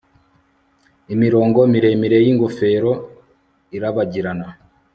Imirongo miremire yingofero irabagirana